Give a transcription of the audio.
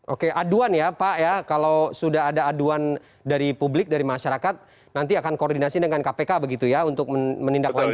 oke aduan ya pak ya kalau sudah ada aduan dari publik dari masyarakat nanti akan koordinasi dengan kpk begitu ya untuk menindaklanjuti